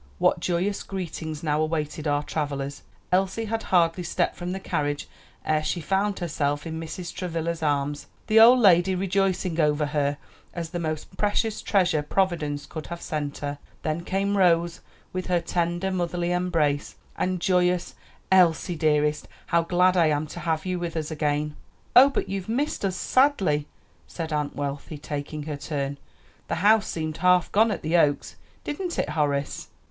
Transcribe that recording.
What joyous greetings now awaited our travelers. Elsie had hardly stepped from the carriage ere she found herself in Mrs. Travilla's arms, the old lady rejoicing over her as the most precious treasure Providence could have sent her. Then came Rose, with her tender, motherly embrace, and joyous "Elsie, dearest, how glad I am to have you with us again." "Oh, but you've missed us sadly!" said Aunt Wealthy, taking her turn; "the house seemed half gone at the Oaks. Didn't it, Horace?"